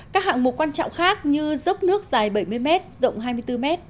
các hạng mục quan trọng khác như dốc nước dài bảy mươi mét rộng hai mươi bốn mét